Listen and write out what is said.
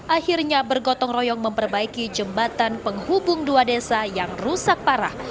akhirnya bergotong royong memperbaiki jembatan penghubung dua desa yang rusak parah